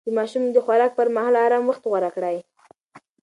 د ماشوم د خوراک پر مهال ارام وخت غوره کړئ.